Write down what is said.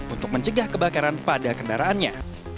untuk mencegah kebakaran pada kendaraannya